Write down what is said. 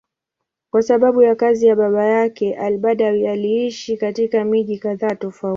Kwa sababu ya kazi ya baba yake, al-Badawi aliishi katika miji kadhaa tofauti.